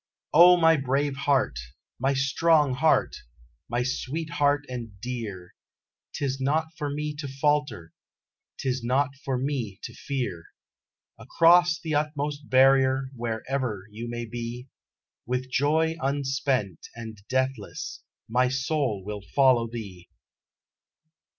O my brave heart! My strong heart! My sweet heart and dear, 'Tis not for me to falter, 'Tis not for me to fear Across the utmost barrier wherever you may be, With joy unspent, and deathless, my soul will follow thee.